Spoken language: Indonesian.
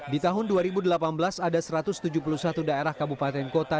di tahun dua ribu delapan belas ada satu ratus tujuh puluh satu daerah kabupaten kota